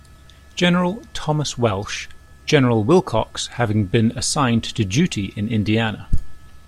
General Thomas Welsh, General Willcox having been assigned to duty in Indiana.